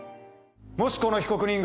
もしこの被告人が。